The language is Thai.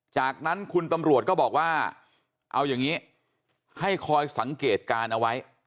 จากนั้นคุณตำรวจก็บอกว่าเอาอย่างนี้ให้คอยสังเกตการณ์เอาไว้